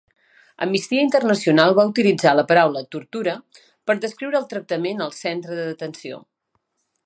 Amnistia Internacional va utilitzar la paraula "tortura" per descriure el tractament al centre de detenció.